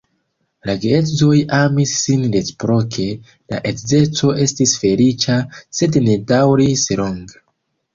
La geedzoj amis sin reciproke, la edzeco estis feliĉa, sed ne daŭris longe.